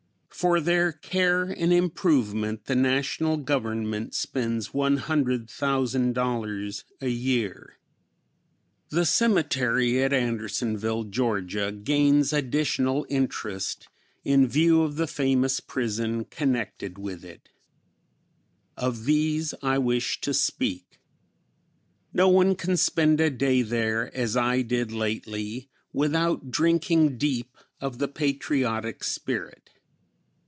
For their care and improvement the national government spends $100,000 a year. The cemetery at Andersonville, Ga., gains additional interest in view of the famous prison connected with it. Of these I wish to speak. No one can spend a day there, as I did lately, without drinking deep of the patriotic spirit.